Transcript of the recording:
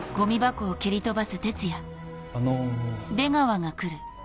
あの。